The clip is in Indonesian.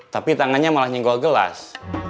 tapi tangannya malah nyenggol gelas